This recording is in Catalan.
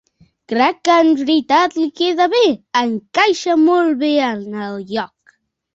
Crec que en veritat li queda bé, encaixa molt bé en el lloc.